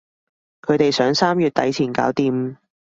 佢哋想三月底前搞掂